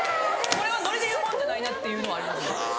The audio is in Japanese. これはノリで言うもんじゃないなっていうのは。